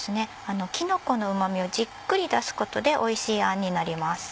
きのこのうま味をじっくり出すことでおいしいあんになります。